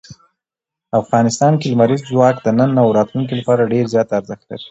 افغانستان کې لمریز ځواک د نن او راتلونکي لپاره ډېر زیات ارزښت لري.